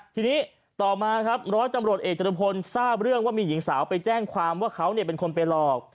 ทีนี้ต่อมาครับร้อยตำรวจเอกจรุพลทราบเรื่องว่ามีหญิงสาวไปแจ้งความว่าเขาเป็นคนไปหลอก